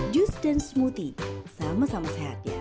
jus dan smoothie sama sama sehat ya